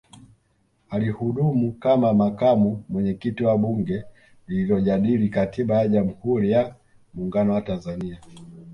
Alihudumu kama Makamu Mwenyekiti wa Bunge lililojadili Katiba ya Jamhuri ya Muungano wa Tanzania